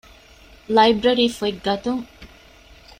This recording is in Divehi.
ލައިބްރަރީފޮތް ގަތުން